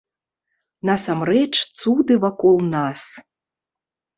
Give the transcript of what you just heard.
Насамрэч цуды вакол нас.